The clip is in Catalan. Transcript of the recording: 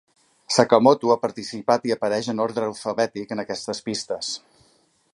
Sakamoto ha participat i apareix en ordre alfabètic en aquestes pistes.